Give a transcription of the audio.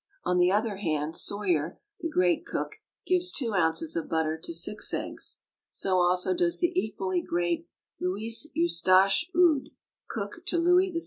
On the other hand, Soyer, the great cook, gives two ounces of butter to six eggs; so also does the equally great Louis Eustache Ude, cook to Louis XVI.